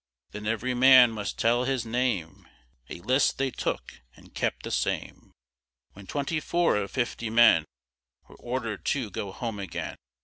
Then every man must tell his name, A list they took, and kept the same; When twenty four of fifty men Were order'd to go home again.